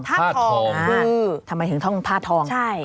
ธาตุทองคือทำไมถึงช่องธาตุทอง